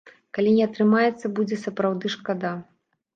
Калі не атрымаецца, будзе сапраўды шкада.